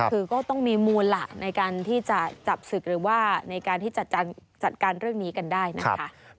คือก็ต้องมีมูลล่ะในการที่จะจับศึกหรือว่าในการที่จัดการเรื่องนี้กันได้นะคะ